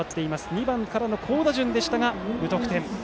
２番からの好打順でしたが無得点。